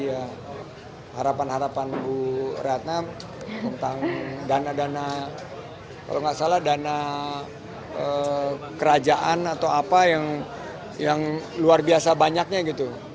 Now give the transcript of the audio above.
ya harapan harapan bu retna tentang dana dana kalau nggak salah dana kerajaan atau apa yang luar biasa banyaknya gitu